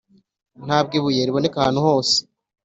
ntabwo ibuye riboneka ahantu hose.